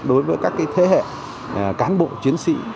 đối với các thế hệ cán bộ chiến sĩ